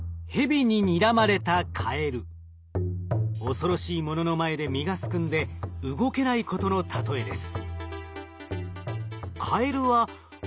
恐ろしいものの前で身がすくんで動けないことの例えです。